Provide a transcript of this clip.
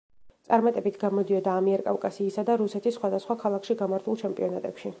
წარმატებით გამოდიოდა ამიერკავკასიისა და რუსეთის სხვადასხვა ქალაქში გამართულ ჩემპიონატებში.